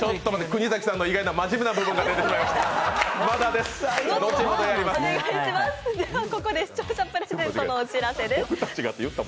国崎さんの意外なまじめな部分が出てしまいました。